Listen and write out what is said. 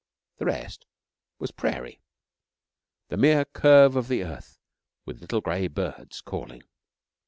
The rest was Prairie the mere curve of the earth with little grey birds calling.